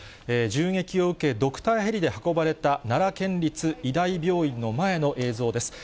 銃撃を受け、ドクターヘリで運ばれた、奈良県立医大病院の前の映像です。